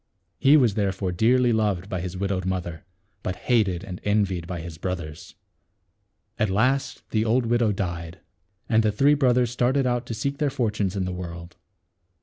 He was therefore dearly loved by his widowed mother, but hated and envied by his brothers. At last the old widow died; and the three brothers started out to seek their fortunes in the world.